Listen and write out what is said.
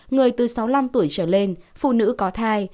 người từ sáu mươi năm tuổi trở lên phụ nữ có thai